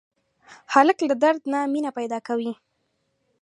هلک له درد نه مینه پیدا کوي.